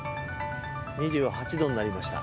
２８度になりました。